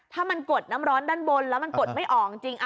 ถ้ามันกดน้ำร้อนด้านบนแล้วมันกดไม่ออกจริง